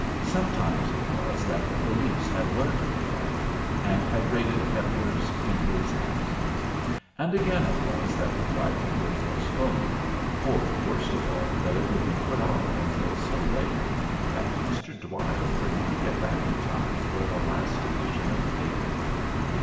Sometimes it was that the police had learnt of the fight, and had raided Keppler's in his absence, and again it was that the fight had been postponed, or, worst of all, that it would be put off until so late that Mr. Dwyer could not get back in time for the last edition of the paper.